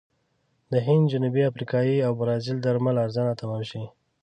د هند، جنوبي افریقې او برازیل درمل ارزانه تمام شي.